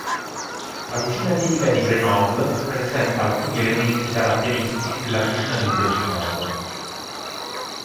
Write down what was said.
La cucina tipica di Grenoble presenta alcuni elementi caratteristici della cucina del Delfinato.